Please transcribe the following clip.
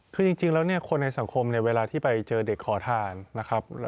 คือจริงแล้วเนี่ยคนในสังคมเนี่ยเวลาที่ไปเจอเด็กขอทานนะครับ